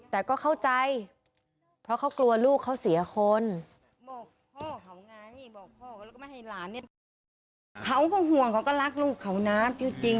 แต่ก็เข้าใจเพราะเขากลัวลูกเขาเสียคน